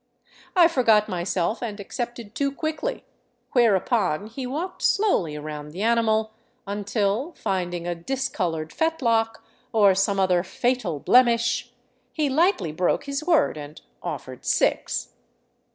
I forgot myself and accepted too quickly ; whereupon he walked slowly around the animal until, finding a discolored fetlock or some other fatal blemish, he lightly broke his word and offered six.